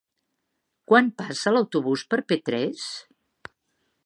Quan passa l'autobús per Petrés?